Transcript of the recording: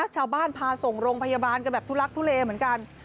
ชาวบ้านพาส่งโรงพยาบาลกันแบบทุลักทุเลเหมือนกัน